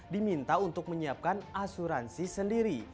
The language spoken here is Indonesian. diminta untuk menyiapkan asuransi sendiri